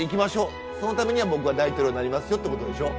そのためには僕は大統領になりますよ」ってことでしょ。